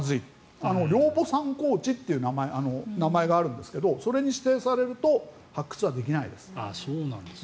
陵墓参考地という名前があるんですけどそれに指定されると発掘はできないです。